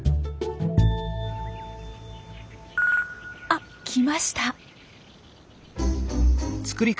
あ来ました。